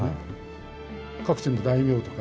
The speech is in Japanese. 各地の大名とかですね